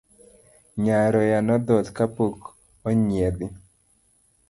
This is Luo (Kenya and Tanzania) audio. Nyaroya nodhoth kapok onyiedhi